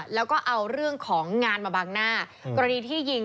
แล้วก็เอาเรื่องของงานมาบังหน้ากรณีที่ยิง